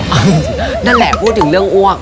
นั่นแหละพูดถึงเรื่องอ้วก